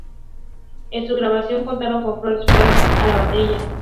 En su grabación contaron con Josh Freese a la batería.